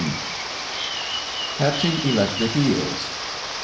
CATCHING ELECTRIC EELS.